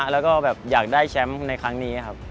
แล้วก็แบบอยากได้แชมป์ในครั้งนี้ครับ